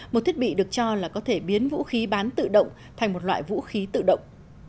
một thiết bị được cho là có thể biến vũ khí bán tự động thành một loại vũ khí tự động